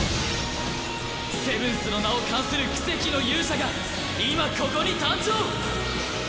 セブンスの名を冠する奇跡の勇者が今ここに誕生！